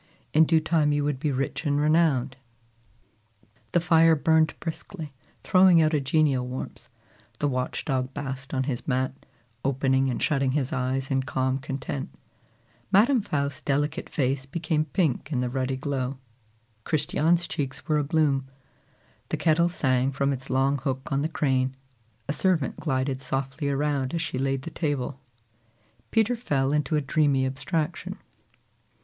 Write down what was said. In due time you would be rich and renowned." The fire burned briskly, throwing out a genial warmth; the watch dog basked on his mat, opening and shutting his eyes in calm content; Madam Faust's delicate face became pink in the ruddy glow; Christiane's cheeks were abloom; the kettle sang from its long hook on the crane; a servant glided softly around as she laid the table. Peter fell into a dreamy abstraction.